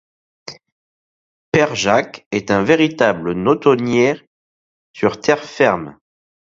Père Jacques est un véritable nautonnier sur terre ferme.